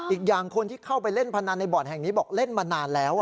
อีกอย่างคนที่เข้าไปเล่นพนันในบ่อนแห่งนี้บอกเล่นมานานแล้ว